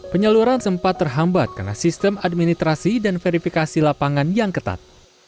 penyaluran sempat terhambat karena sistem administrasi dan verifikasi lapangan yang ketat